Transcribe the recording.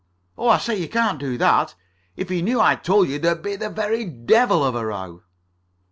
"Oh, I say, you can't do that. If he knew I'd told you, there'd be the very devil of a row."